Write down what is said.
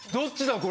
⁉これ！